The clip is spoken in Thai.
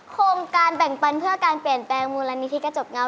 โครงการแบ่งปันเพื่อการเปลี่ยนแปลงมูลนิธิกระจกเงา